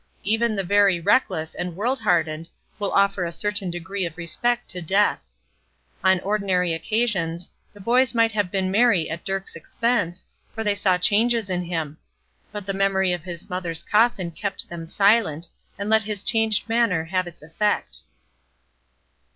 Even the very reckless and world hardened will offer a certain degree of respect to death. On ordinary occasions, the boys might have been merry at Dirk's expense, for they saw changes in him; but the memory of his mother's coffin kept them silent, and let his changed manner have its effect.